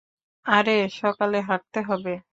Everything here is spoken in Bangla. আরে, সকালে হাটতে হবে।